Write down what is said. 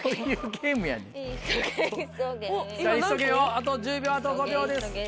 あと１０秒あと５秒です。